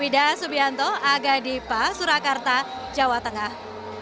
wida subianto aga dipa surakarta jawa tengah